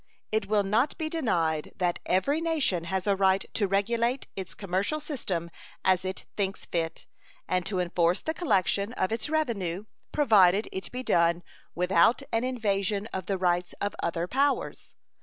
It will not be denied that every nation has a right to regulate its commercial system as it thinks fit and to enforce the collection of its revenue, provided it be done without an invasion of the rights of other powers.